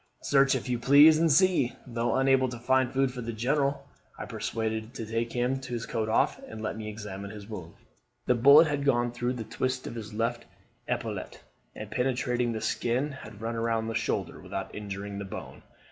Search, if you please, and see.' Though unable to find food for the General, I persuaded him to take his coat off and let me examine his wound. The bullet had gone through the twists of the left epaulette, and penetrating the skin, had run round the shoulder without injuring the bone.